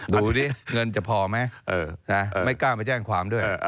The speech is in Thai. ดูสิเงินจะพอไหมไม่กล้าไปแจ้งความด้วย